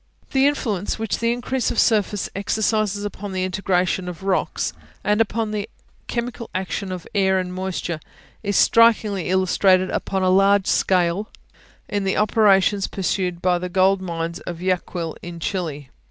The influence which the increase of surface exercises upon the disintegration of rocks, and upon the chemical action of air and moisture, is strikingly illustrated upon a large scale in the operations pursued in the gold mines of Yaquil, in Chili.